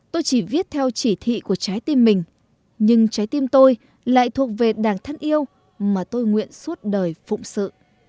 tôi chỉ viết theo chỉ thị của trái tim mình nhưng trái tim tôi lại thuộc về đảng thân yêu mà tôi nguyện suốt đời phụng sự